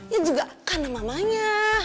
ya juga karena mamanya